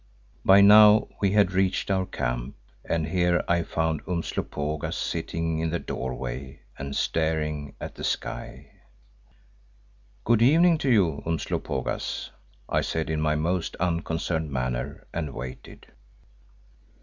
By now we had reached our camp and here I found Umslopogaas sitting in the doorway and staring at the sky. "Good evening to you, Umslopogaas," I said in my most unconcerned manner, and waited.